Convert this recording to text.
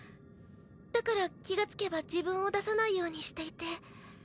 だから気が付けば自分を出さないようにしていて。